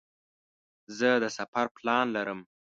زه د سفر پلان لرم.